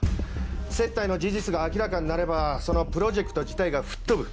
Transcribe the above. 接待の事実が明らかになればそのプロジェクト自体が吹っ飛ぶ。